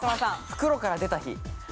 袋から出た日。